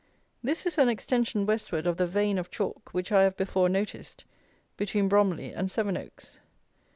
This is an extension westward of the vein of chalk which I have before noticed (see page 54) between Bromley and Seven Oaks.